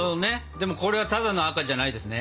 でもこれはただの赤じゃないですね。